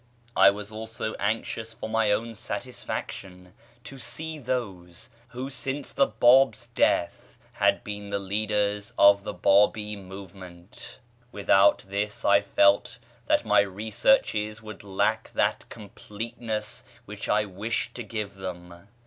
I was also anxious for my own satisfaction to see those who since the Báb's death had been the leaders of the Bábí movement. Without this I felt that my researches would lack that completeness which I wished to give them.